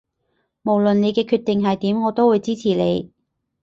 無論你嘅決定係點我都會支持你